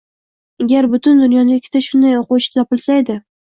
Agar butun dunyoda ikkita shunday o’quvchi topilsa edi.